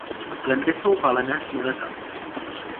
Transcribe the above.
Klenby jsou valené s lunetami.